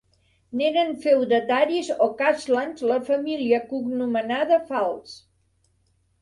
N’eren feudataris o castlans la família cognomenada Fals.